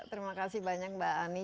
terima kasih banyak mbak ani